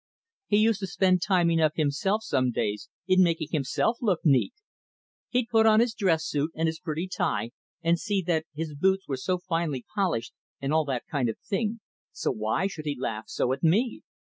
He used to spend time enough himself some days in making himself look neat. He'd put on his dress suit and his pretty tie, and see that his boots were so finely polished, and all that kind of thing, so why should he laugh so at me?